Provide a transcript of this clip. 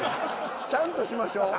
ちゃんとしましょう。